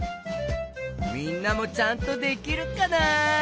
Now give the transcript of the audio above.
みんなもちゃんとできるかな？